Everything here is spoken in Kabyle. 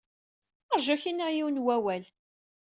Ṛju ad ak-iniɣ yiwen n wawal.